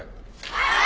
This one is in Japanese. はい！